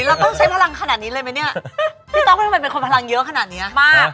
เราต้องใช้พลังขนาดนี้เลยไหมเนี่ยพี่ต๊อกทำไมเป็นคนพลังเยอะขนาดเนี้ยมาก